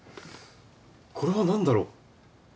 これはなんだろう？